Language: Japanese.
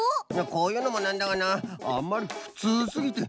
こういうのもなんだがなあまりにふつうすぎて。